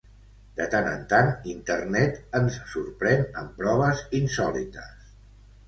De tant en tant, internet ens sorprèn amb proves insòlites.